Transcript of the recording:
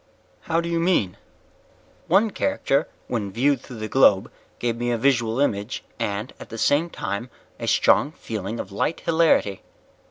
"How do you mean?" "One character when viewed through the globe gave me a visual image and, at the same time, a strong feeling of light hilarity."